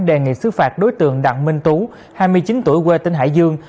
đề nghị xứ phạt đối tượng đặng minh tú hai mươi chín tuổi quê tỉnh hải dương